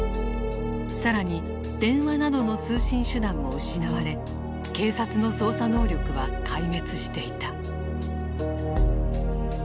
更に電話などの通信手段も失われ警察の捜査能力は壊滅していた。